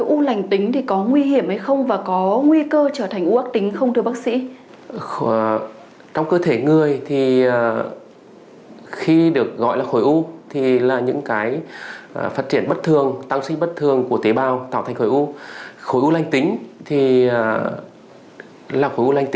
u lành tính chứ không phải là khối u ác tính